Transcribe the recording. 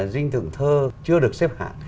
dinh thượng thơ chưa được xếp hạ